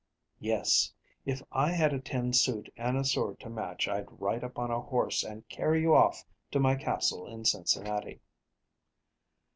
"Yes; if I had a tin suit and a sword to match I'd ride up on a horse and carry you off to my castle in Cincinnati."